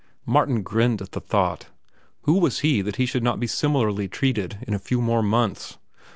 Martin grinned at the thought. Who was he that he should not be similarly treated in a few more months?